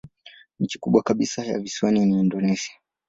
Nchi kubwa kabisa ya visiwani ni Indonesia.